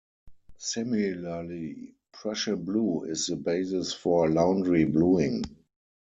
Similarly, Prussian blue is the basis for laundry bluing.